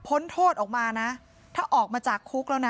พี่น้องของผู้เสียหายแล้วเสร็จแล้วมีการของผู้เสียหาย